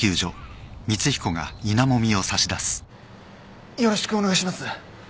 よろしくお願いします。